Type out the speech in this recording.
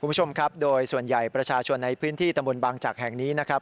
คุณผู้ชมครับโดยส่วนใหญ่ประชาชนในพื้นที่ตำบลบางจักรแห่งนี้นะครับ